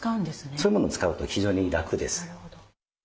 そういうもの使うと非常に楽です。